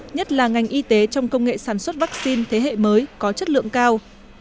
nhất là ngành y tế trong công nghệ sản xuất vaccine thế hệ mới có chất lượng cao